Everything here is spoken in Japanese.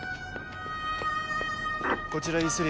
こちらＥ